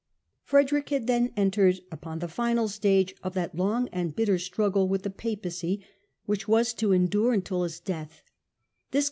Frederick had then entered upon the final stage of that long and bitter struggle with the Papacy which was to endure until his death.